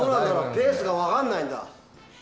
ペースが分からないや。